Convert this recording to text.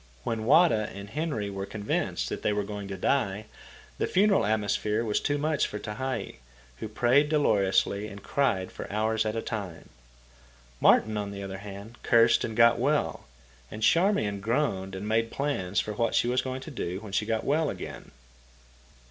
When Wada and Henry were convinced that they were going to die, the funeral atmosphere was too much for Tehei, who prayed dolorously and cried for hours at a time. Martin, on the other hand, cursed and got well, and Charmian groaned and made plans for what she was going to do when she got well again.